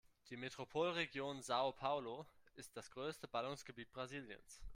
Die Metropolregion São Paulo ist das größte Ballungsgebiet Brasiliens.